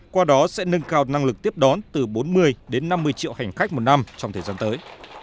qua đó sẽ nâng cao năng lực tiếp đón từ bốn mươi đến năm mươi triệu hành khách một năm trong thời gian tới